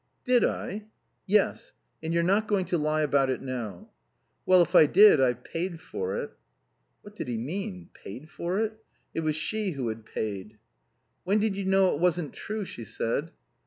"Did I?" "Yes. And you're not going to lie about it now." "Well, if I did I've paid for it." (What did he mean? Paid for it? It was she who had paid.) "When did you know it wasn't true?" she said.